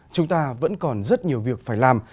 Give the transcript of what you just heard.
chúng ta vẫn còn rất nhiều việc phải làm